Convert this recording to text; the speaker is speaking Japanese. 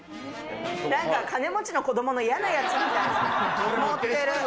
なんか金持ちの子どもの嫌なやつみたい。